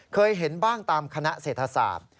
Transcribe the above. เคยเห็นบ้างตามคณะเศรษฐศาสตร์